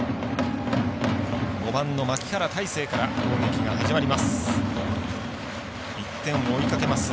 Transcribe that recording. ５番、牧原大成から攻撃が始まります。